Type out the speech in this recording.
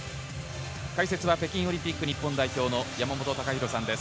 解説は北京オリンピック日本代表の山本隆弘さんです。